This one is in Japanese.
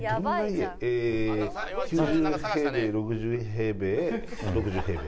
９０平米６０平米６０平米。